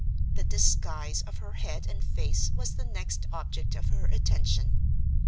The disguise of her head and face was the next object of her attention.